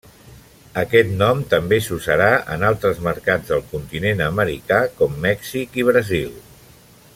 Aquest nom també s'usarà en altres mercats del continent americà, com Mèxic i Brasil.